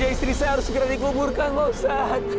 istri saya harus dikuburkan posat